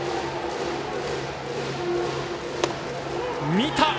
見た。